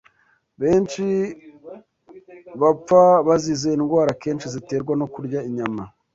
Benshi bapfa bazize indwara akenshi ziterwa no kurya inyama